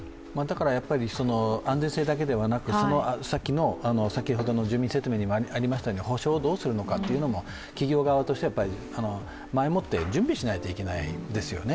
安全性だけではなく、先ほどの住民説明にもありましたように補償をどうするのか、企業側として前もって準備しないといけないですよね。